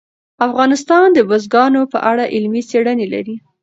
افغانستان د بزګانو په اړه علمي څېړنې لري.